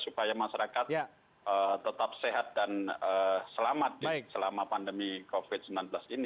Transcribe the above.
supaya masyarakat tetap sehat dan selamat selama pandemi covid sembilan belas ini